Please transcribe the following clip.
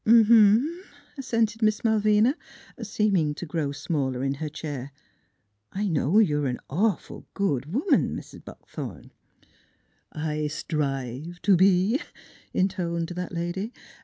" Uh huh," assented Miss Malvina, seeming to grow smaller in her chair. " I know you're a nawful good woman, Mis' Buckthorn." " I str rive t' be," intoned that lady.